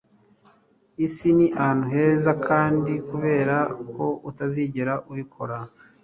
isi ni ahantu hezakandi kubera ko utazigera ubikora